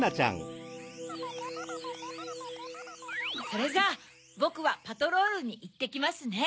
それじゃあボクはパトロールにいってきますね。